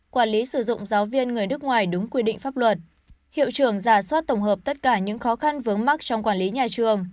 quản lý sử dụng giáo viên người nước ngoài đúng quy định pháp luật hiệu trưởng giả soát tổng hợp tất cả những khó khăn vướng mắt trong quản lý nhà trường